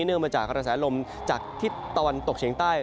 มาจากกระแสลมจากทิศตะวันตกเฉียงใต้